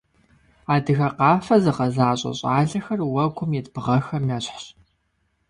Адыгэ къафэ зыгъэзащӏэ щӏалэхэр уэгум ит бгъэхэм ещхьщ.